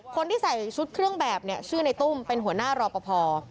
คนที่ใส่ชุดเครื่องแบบเนี่ยชื่อในตุ้มเป็นหัวหน้ารอปภ